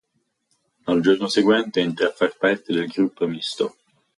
Dal giorno seguente entra a far parte del Gruppo Misto.